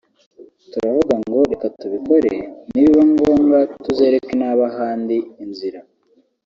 turavuga ngo reka tubikore nibiba ngombwa tuzereke n’abahandi inzira